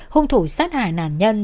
hùng thủ sát hại nạn nhân